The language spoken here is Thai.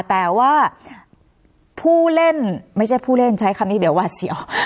แต่ว่าผู้เล่นไม่ใช่ผู้เล่นใช้คำนี้เดี๋ยวหวัดเสียว